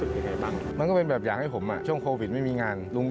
เดิมที่รู้จักลุงเขาขายก๋วยทอดก๋วยปิ้งอะไรพวกนี้